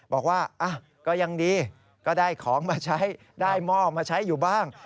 บอกว่าก็ยังดีก็ได้ของมาใช้ได้หม้อมาใช้อยู่บ้าง